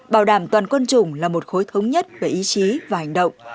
bảo đảm toàn quân chủng là một khối thống nhất về ý chí và hành động